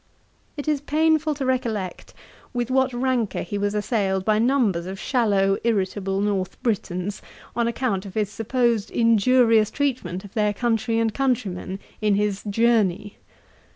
It is painful to recollect with what rancour he was assailed by numbers of shallow irritable North Britons, on account of his supposed injurious treatment of their country and countrymen, in his Journey.